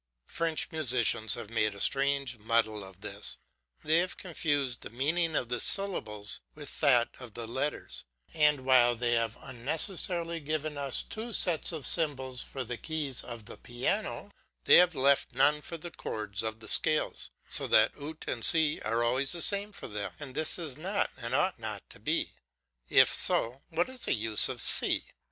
French musicians have made a strange muddle of this. They have confused the meaning of the syllables with that of the letters, and while they have unnecessarily given us two sets of symbols for the keys of the piano, they have left none for the chords of the scales; so that Ut and C are always the same for them; this is not and ought not to be; if so, what is the use of C?